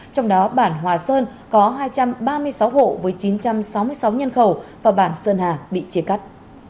trong đó bản hòa sơn có hai trăm ba mươi sáu hộ với chín trăm sáu mươi sáu nhân khẩu và bản sơn hà bị chia cắt